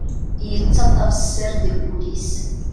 Yettaṭṭaf sser deg wul-is.